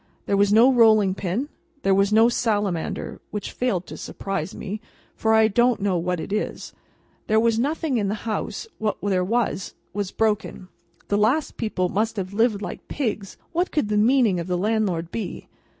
There was no rolling pin, there was no salamander (which failed to surprise me, for I don't know what it is), there was nothing in the house, what there was, was broken, the last people must have lived like pigs, what could the meaning of the landlord be?